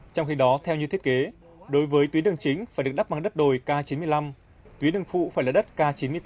trong khi đó theo như thiết kế đối với tuyến đường chính phải được đắp bằng đất đồi k chín mươi năm tuyến đường phụ phải là đất k chín mươi tám